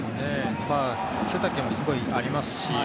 背丈も、すごいありますし。